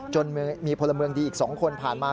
จนมีพลเมืองดีอีก๒คนผ่านมา